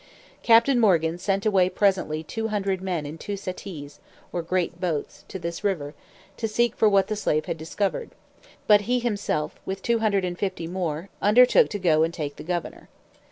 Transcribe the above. Captain Morgan sent away presently two hundred men in two settees, or great boats, to this river, to seek for what the slave had discovered; but he himself, with two hundred and fifty more, undertook to go and take the governor.